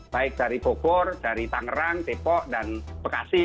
baik dari bogor dari tangerang depok dan bekasi